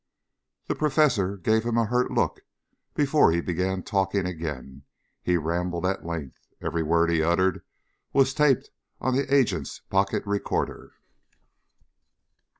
The professor gave him a hurt look before he began talking again. He rambled at length. Every word he uttered was taped on the agent's pocket recorder.